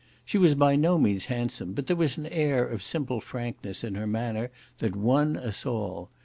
She was by no means handsome, but there was an air of simple frankness in her manner that won us all.